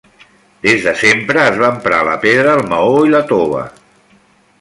Des de sempre es va emprar la pedra, el maó i la tova.